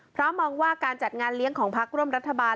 เพราะมองว่าการจัดงานเลี้ยงของพักร่วมรัฐบาล